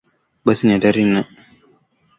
basi ni hatari sana nchi kama singapore china